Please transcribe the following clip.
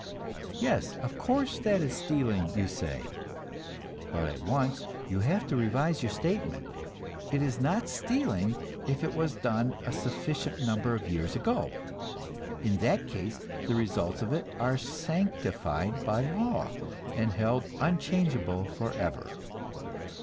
Yes, of course, that is stealing, you say; but at once you have to revise your statement. It is not stealing if it was done a sufficient number of years ago; in that case the results of it are sanctified by law, and held unchangeable forever.